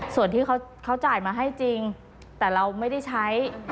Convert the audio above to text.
ส่วนที่เขาจ่ายมาให้จริงแต่เราไม่ได้ใช้